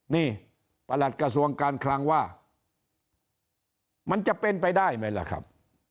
นี่ประหลัดกระทรวงการคลังว่ามันจะเป็นไปได้ไหมล่ะครับ